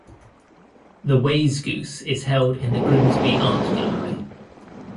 The wayzgoose is held in the Grimsby Art Gallery.